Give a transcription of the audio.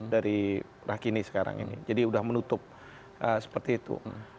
dari rakini sekarang ini jadi sudah menutup seperti itu